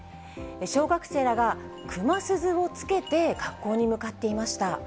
小学生らがクマ鈴をつけて学校に向かっていました。